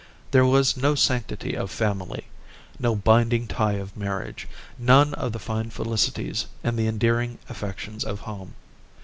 There was no sanctity of family, no binding tie of marriage, none of the fine felicities and the endearing affections of home.